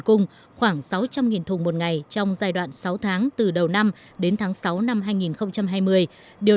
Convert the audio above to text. cung khoảng sáu trăm linh thùng một ngày trong giai đoạn sáu tháng từ đầu năm đến tháng sáu năm hai nghìn hai mươi điều